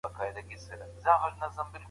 څه ډول ډیپلوماسي د سیمي ثبات ساتي؟